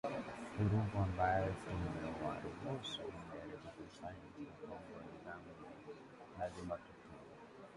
Vurugu ambayo tumewaruhusu magharibi kuifanya nchini Kongo ni dhambi lazima tutubu